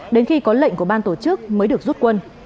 đến khi có lệnh của ban tổ chức mới được rút quân